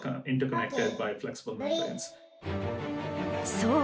そう！